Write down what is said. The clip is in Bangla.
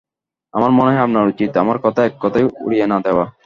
আমার মনে হয় আপনার উচিত আমার কথা এককথায় উড়িয়ে না-দেওয়া।